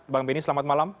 bang benny selamat malam